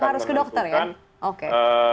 harus ke dokter ya oke